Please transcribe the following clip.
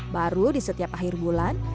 baru di setiap akhir bulan